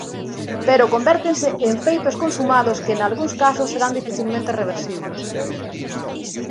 Pero convértense en feitos consumados que, nalgúns casos, serán dificilmente reversibles.